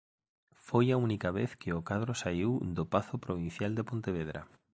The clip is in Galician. Foi a única vez que o cadro saíu do Pazo Provincial de Pontevedra.